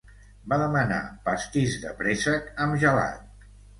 Va demanar pastís de préssec amb gelat.